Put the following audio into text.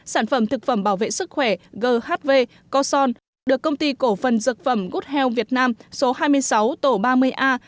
sản phẩm thực phẩm bảo vệ sức khỏe ghv cason được công ty cổ phần dược phẩm good health việt nam số hai mươi sáu tổ ba mươi a